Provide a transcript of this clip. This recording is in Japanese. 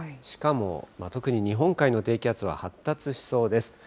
しかも、特に日本海の低気圧は発達しそうです。